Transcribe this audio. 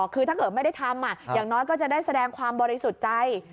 คือถ้าเกิดไม่ได้ทำอย่างน้อยก็จะได้แสดงความบริสุทธิ์ใจ